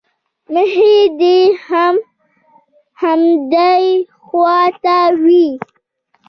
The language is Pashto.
مخ دې هم همدې خوا ته وي.